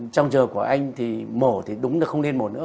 trong giờ của anh thì mổ thì đúng là không nên mổ nữa